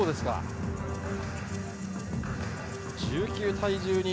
１９対１２。